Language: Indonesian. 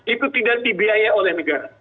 itu tidak dibiaya oleh negara